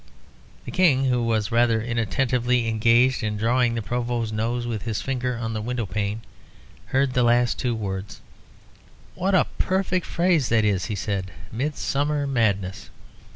The King, who was rather inattentively engaged in drawing the Provost's nose with his finger on the window pane, heard the last two words. "What a perfect phrase that is!" he said. "'Midsummer madness'!"